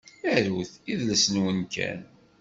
Arut, idles-nwen kan.